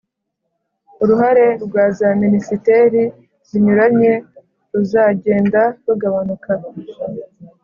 uruhare rwa za minisiteri zinyuranye ruzagenda rugabanuka